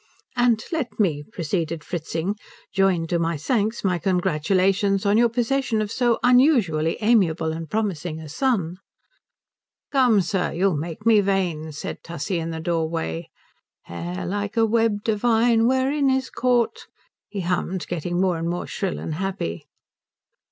"And let me," proceeded Fritzing, "join to my thanks my congratulations on your possession of so unusually amiable and promising a son." "Come on, sir you'll make me vain," said Tussie, in the doorway "'Hair like a web divine wherein is caught,'" he hummed, getting more and more shrill and happy.